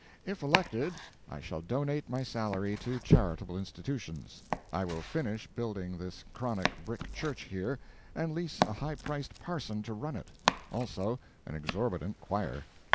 If elected, I shall donate my salary to charitable institutions. I will finish building this chronic brick church here, and lease a high priced parson to run it. Also, an exorbitant choir.